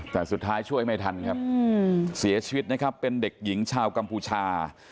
แต่สุดท้ายช่วยไม่ทันครับเสียชีวิตนะครับเป็นเด็กหญิงชาวกัมพูชา